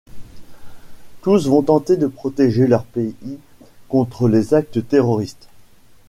Tous vont tenter de protéger leur pays contre les actes terroristes.